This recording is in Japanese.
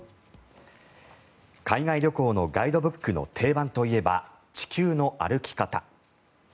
海外旅行のガイドブックの定番と言えば「地球の歩き方」。